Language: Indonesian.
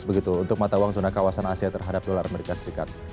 begitu untuk mata uang zona kawasan asia terhadap dolar amerika serikat